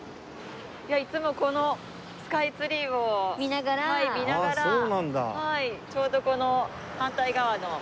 いつもこのスカイツリーをはい見ながらちょうどこの反対側の。